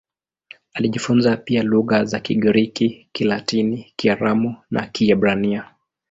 Alijifunza pia lugha za Kigiriki, Kilatini, Kiaramu na Kiebrania.